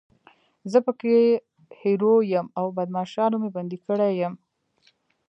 زه پکې هیرو یم او بدماشانو مې بندي کړی یم.